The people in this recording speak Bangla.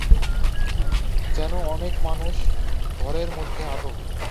যেন অনেক মানুষ ঘরের মধ্যে আটক।